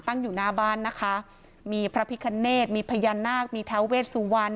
ตั้งอยู่หน้าบ้านนะคะมีพระพิคเนธมีพญานาคมีท้าเวสวรรณ